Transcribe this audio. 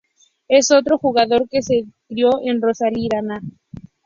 Es otro jugador que se crio en la Rosarina.